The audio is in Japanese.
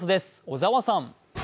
小沢さん。